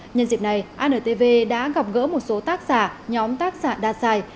nhân dịp này antv đã gặp gỡ một số tác giả nhóm tác giả đạt giải